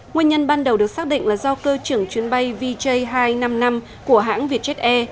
nguyên nhân ban đầu được xác định là do cơ trưởng chuyến bay vj hai trăm năm mươi năm của hãng vietjet air